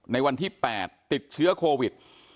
วันที่๘ติดเชื้อโควิด